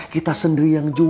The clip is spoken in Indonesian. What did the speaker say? kita sendiri yang jual